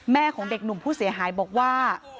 ของเด็กหนุ่มผู้เสียหายบอกว่า